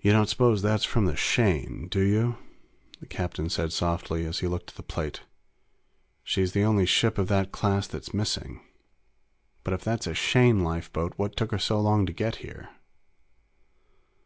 "You don't suppose that's from the Shane, do you?" the captain said softly as he looked at the plate. "She's the only ship of that class that's missing. But if that's a Shane lifeboat, what took her so long to get here?"